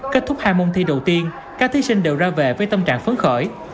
kết thúc hai môn thi đầu tiên các thí sinh đều ra về với tâm trạng phấn khởi